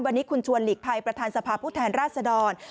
วันนี้คุณชวนหลีกภัยประธานสภาพผู้แทนราชดร